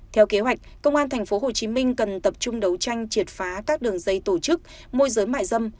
theo kế hoạch công an tp hcm cần tập trung đấu tranh triệt phá các đường dây tổ chức môi giới mại dâm